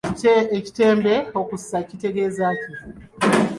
Ekitembe okussa kitegeeza ki?